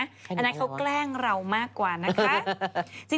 อันนั้นเขาแกล้งเรามากกว่านะคะ